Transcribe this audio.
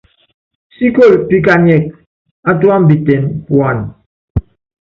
Síkoli píkányíkɛ átúámbitɛn puany.